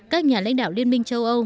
các nhà lãnh đạo liên minh châu âu